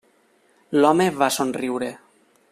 L'home va somriure.